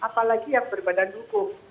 apalagi yang berbadan hukum